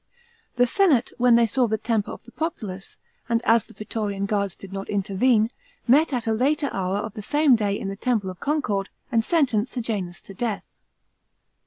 The senate, when they saw the temper of the populace, and as the praetorian guards did not intervene, met at a later hour of the same day in the Temple of Concord, and sentenced Sejanus to death.